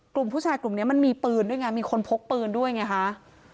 กลุ่มผู้ชายกลุ่มนี้มันมีปืนด้วยไงมีคนพกปืนด้วยไงคะ